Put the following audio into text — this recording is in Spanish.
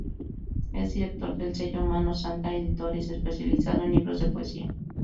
Es director del sello Mano Santa Editores, especializado en libros de poesía.